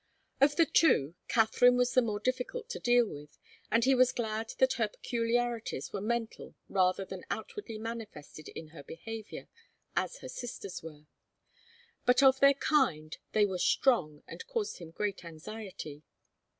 Of the two, Katharine was the more difficult to deal with, and he was glad that her peculiarities were mental rather than outwardly manifested in her behaviour, as her sister's were. But of their kind, they were strong and caused him great anxiety.